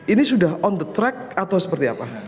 ini sudah on the track atau seperti apa